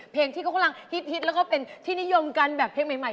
เพลงที่เขากำลังฮิตแล้วก็เป็นที่นิยมกันแบบเพลงใหม่